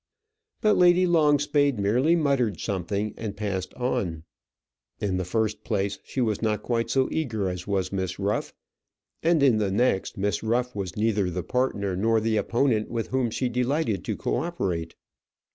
But Lady Longspade merely muttered something and passed on. In the first place, she was not quite so eager as was Miss Ruff; and in the next, Miss Ruff was neither the partner nor the opponent with whom she delighted to co operate.